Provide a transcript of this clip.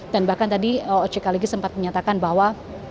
dan bahkan tadi ojk lagi sempat menyatakan bahwa